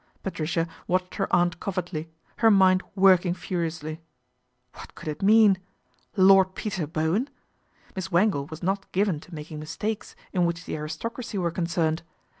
Patricia watched her aunt covertly, her mind working furiously. What could it mean ? Lord Peter Bowen ! Miss Wangle was not given to making mistakes in which the aristocracy were concerned.